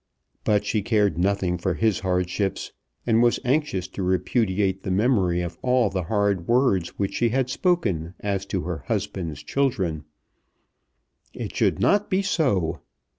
But she cared nothing for his hardships, and was anxious to repudiate the memory of all the hard words which she had spoken as to her husband's children. It should not be so!